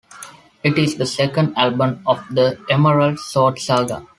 It is the second album of the Emerald Sword Saga.